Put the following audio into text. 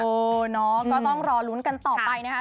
โอ้น้องก็ต้องรอลุ้นกันต่อไปนะครับ